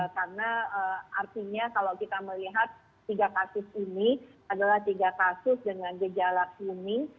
karena artinya kalau kita melihat tiga kasus ini adalah tiga kasus dengan gejala kuning